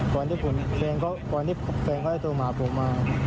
ก่อนที่แฟนก็ได้ตัวหมาปลูกมา